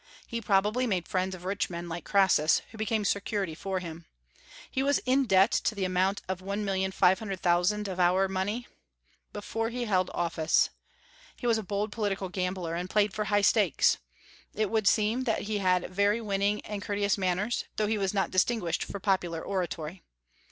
He probably made friends of rich men like Crassus, who became security for him. He was in debt to the amount of $1,500,000 of our money before he held office. He was a bold political gambler, and played for high stakes. It would seem that he had very winning and courteous manners, though he was not distinguished for popular oratory.